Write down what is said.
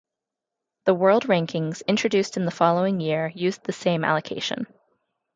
The world rankings, introduced in the following year, used the same allocation.